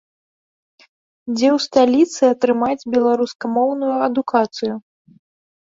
Дзе ў сталіцы атрымаць беларускамоўную адукацыю.